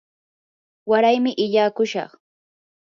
waraymi illaakushaq.